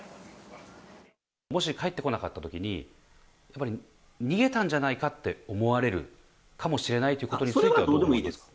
もし帰ってこなかったときに、やっぱり逃げたんじゃないかって思われるかもしれないということそれはもう、どうでもいいです。